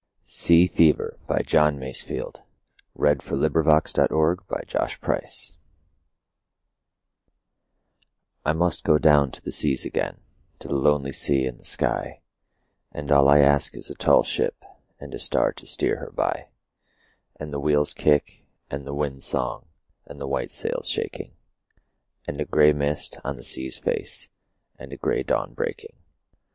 B . C D . E F . G H . I J . K L . M N . O P . Q R . S T . U V . W X . Y Z Sea Fever I MUST down to the seas again, to the lonely sea and the sky, And all I ask is a tall ship and a star to steer her by, And the wheel's kick and the wind's song and the white sail's shaking, And a gray mist on the sea's face, and a gray dawn breaking.